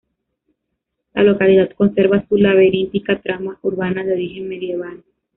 La localidad conserva su laberíntica trama urbana de origen medieval.